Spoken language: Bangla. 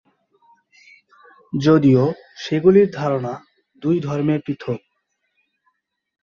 যদিও সেগুলির ধারণা দুই ধর্মে পৃথক।